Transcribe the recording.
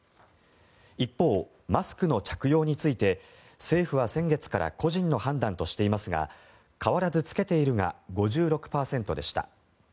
一方、マスクの着用について政府は先月から個人の判断としていますが変わらず着けているが５６％でした。